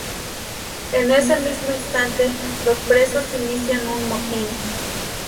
En ese mismo instante, los presos inician un motín.